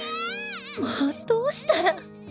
もうどうしたら。